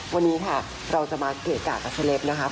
วันนี้ค่ะเราจะมาเกะกะกับสเล็ปนะคะ